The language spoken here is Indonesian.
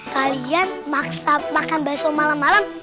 kalian maksa makan berso malam malam